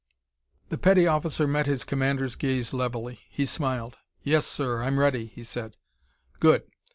The petty officer met his commander's gaze levelly. He smiled. "Yes, sir, I'm ready!" he said. "Good!